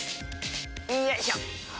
よいしょ。